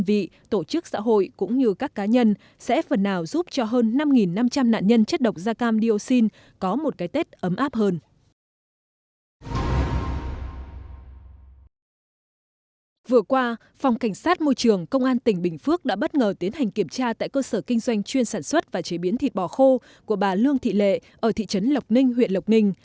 vừa qua phòng cảnh sát môi trường công an tỉnh bình phước đã bất ngờ tiến hành kiểm tra tại cơ sở kinh doanh chuyên sản xuất và chế biến thịt bò khô của bà lương thị lệ ở thị trấn lộc ninh huyện lộc ninh